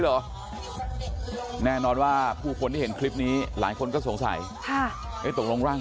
หรอแน่นอนว่าผู้คนไอ้เห็นคลิปนี้หลายคนก็สงสัยตรงร่าง